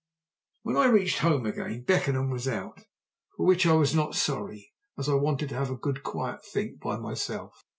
When I reached home again Beckenham was out, for which I was not sorry, as I wanted to have a good quiet think by myself.